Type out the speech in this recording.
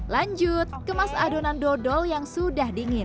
lanjut kemas adonan dodol yang sudah dingin